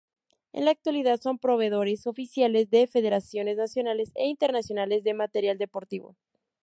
En la actualidad son proveedores oficiales de federaciones nacionales e internacionales de material deportivo.